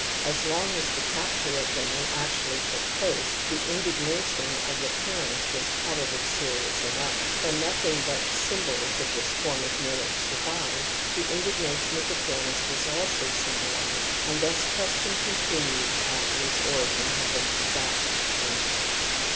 Crawley : The Mystic Rose (London, 1902), p. 405. ^v THE SAVAGE'S DREAD OF INCEST 28 the capture of women actually took place, the indignation of the parents was probably serious enough. When nothing but symbols of this form of marriage survived, the indignation of the parents was also symbolized and this custom continued after its origin had been forgotten."